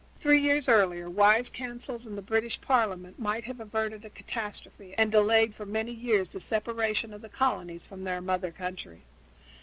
Three years earlier wise counsels in the British Parliament might have averted a catastrophe and delayed for many years the separation of the colonies from their mother country.